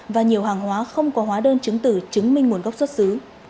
và nhiều hàng hóa không có hóa đơn chứng tử chứng minh nguồn gốc xuất xứ